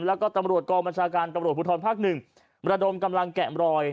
แล้วก็ตำรวจกองบัญชาการตำรวจภูทรภาคหนึ่งระดมกำลังแกะมรอย